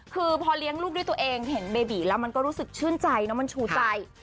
คือพอเลี้ยงลูกด้วยตัวเองเห็นเบบีแล้วมันก็รู้สึกชื่นใจเนอะมันชูใจ